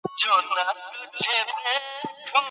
دوی په دې برخه کې پوره وړتيا لري.